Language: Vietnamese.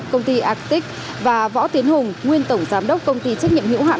công ty arctic và võ tiến hùng nguyên tổng giám đốc công ty trách nhiệm hiệu hạn